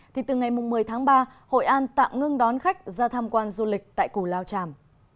thì từ ngày một mươi tháng ba hội an tạm ngưng đón khách ra tham quan du lịch tại củ lao tràm